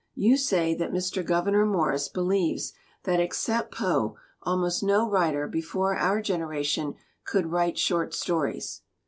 You say that Mr. Gouverneur Morris believes that except Poe almost no writer before our generation could write short stories.